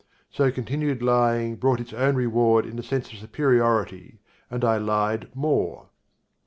So continued lying brought its own reward in the sense of superiority and I lied more.